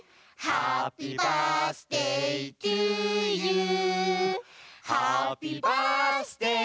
「ハッピーバースデートゥユー」うっ！